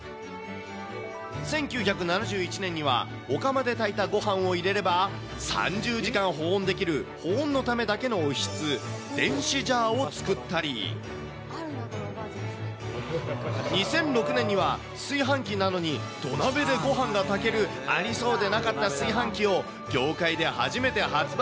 １９７１年には、御釜で炊いたごはんを入れれば、３０時間保温できる保温のためだけのおひつ、電子ジャーを作ったり、２００６年には、炊飯器なのに土鍋でごはんが炊けるありそうでなかった炊飯器を業界で初めて発売。